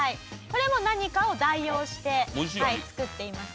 これも何かを代用して作っています。